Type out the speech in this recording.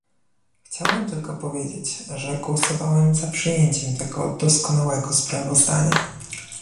Chciałbym tylko powiedzieć, że głosowałem za przyjęciem tego doskonałego sprawozdania